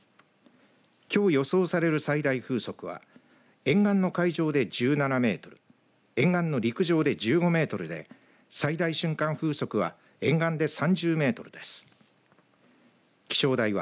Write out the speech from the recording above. きょう予想される最大風速は沿岸の海上で１７メートル沿岸の陸上で１５メートルで最大瞬間風速は